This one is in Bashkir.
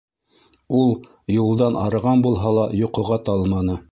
Ул юлдан арыған булһа ла, йоҡоға талманы.